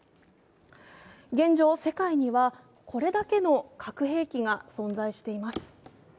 現状、世界にはこれだけの核兵器が存在しています。